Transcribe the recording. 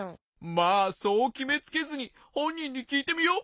まあそうきめつけずにほんにんにきいてみよう。